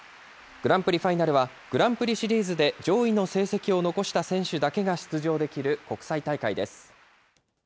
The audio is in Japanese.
グランプリファイナルはグランプリシリーズで上位の成績を残した選手だけが出場できる国際大会です。